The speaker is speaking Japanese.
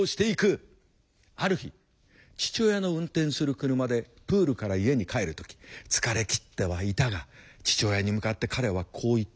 ある日父親の運転する車でプールから家に帰る時疲れきってはいたが父親に向かって彼はこう言った。